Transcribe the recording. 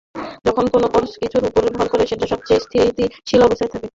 যখন কোনো কার্স কিছুর উপর ভর করে, সেটা সবচেয়ে স্থিতিশীল অবস্থায় থাকে।